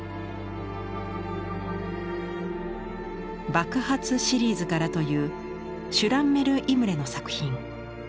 「爆発シリーズから」というシュランメル・イムレの作品。